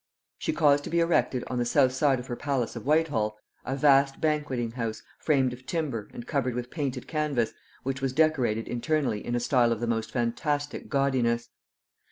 She caused to be erected on the south side of her palace of Whitehall, a vast banqueting house framed of timber and covered with painted canvass, which was decorated internally in a style of the most fantastic gaudiness.